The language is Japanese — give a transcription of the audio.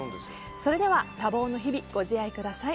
それでは、多忙の日々ご自愛ください。